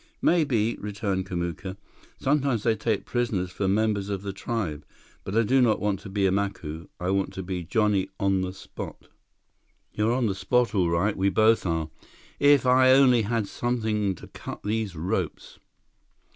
"Maybe," returned Kamuka. "Sometimes they take prisoners for members of the tribe. But I do not want to be Macu. I want to be johnny on the spot." "You're on the spot all right. We both are. If I only had something to cut these ropes!"